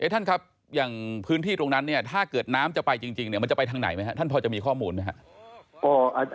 ท่านครับอย่างพื้นที่ตรงนั้นเนี่ยถ้าเกิดน้ำจะไปจริงมันจะไปทางไหนไหมครับท่านพอจะมีข้อมูลไหมครับ